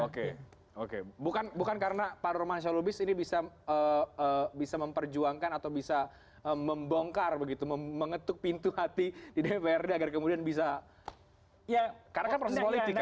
oke bukan karena pak nur mansalubis ini bisa memperjuangkan atau bisa membongkar begitu mengetuk pintu hati di dpr ri agar kemudian bisa karena kan proses politik kan